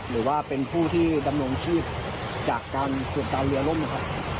หรือว่าเป็นผู้ที่ดำรงชีพจากการฝึกการเรือล่มนะครับ